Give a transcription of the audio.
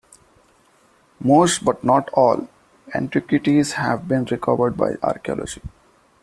Most, but not all, antiquities have been recovered by archaeology.